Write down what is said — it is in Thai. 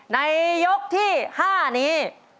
ในยกที่๕นี้